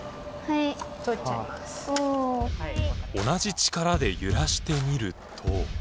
同じ力で揺らしてみると。